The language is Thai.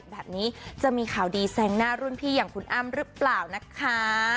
แบบนี้จะมีข่าวดีแซงหน้ารุ่นพี่อย่างคุณอ้ำหรือเปล่านะคะ